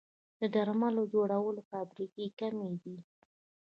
د درملو جوړولو فابریکې کمې دي